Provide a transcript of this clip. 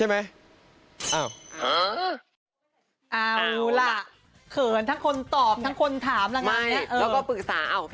ไม่เป็นไรเพื่อนก็ถือได้เนอะ